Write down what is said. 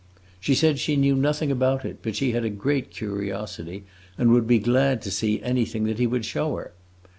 She said she knew nothing about it, but she had a great curiosity, and would be glad to see anything that he would show her.